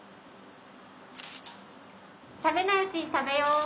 ・冷めないうちに食べよう。